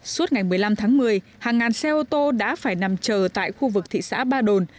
suốt ngày một mươi năm tháng một mươi hàng ngàn xe ô tô đã phải nằm chờ tại khu vực thị xã ba đồn